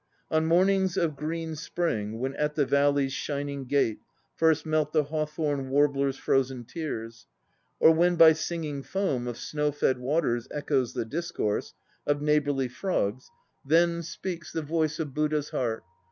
On mornings of green spring When at the valley's shining gate First melt the hawthorn warbler's frozen tears, Or when by singing foam Of snow fed waters echoes the discourse Of neighbourly frogs; then speaks "rock," also means "not speak." THE HOKA PRIESTS 173 The voice of Buddha's heart.